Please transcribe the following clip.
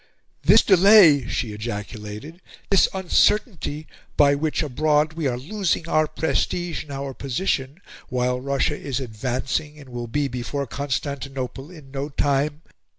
"This delay," she ejaculated, "this uncertainty by which, abroad, we are losing our prestige and our position, while Russia is advancing and will be before Constantinople in no time!